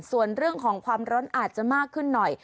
ส่วนเรื่องของความร้อนอาจจะมากขึ้นหน่อย